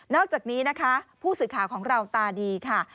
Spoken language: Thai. อกจากนี้นะคะผู้สื่อข่าวของเราตาดีค่ะ